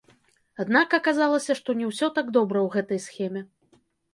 Аднак аказалася, што не ўсё так добра ў гэтай схеме.